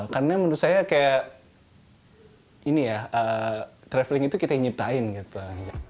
karena menurut saya kayak ini ya traveling itu kita yang nyitain gitu